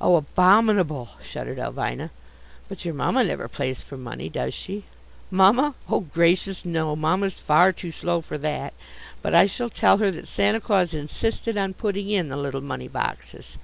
"Oh, abominable," shuddered Ulvina. "But your mamma never plays for money, does she?" "Mamma! Oh, gracious, no. Mamma's far too slow for that. But I shall tell her that Santa Claus insisted on putting in the little money boxes."